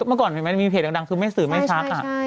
เมื่อก่อนเห็นไหมมีเพจดังคือไม่สื่อไม่ซัก